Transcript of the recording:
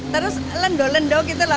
terus lendo lendo gitu loh